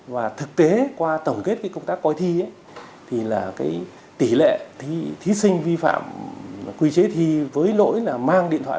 và thực tế qua tổng kết cái công tác coi thi thì là cái tỷ lệ thí sinh vi phạm quy chế thi với lỗi là mang điện thoại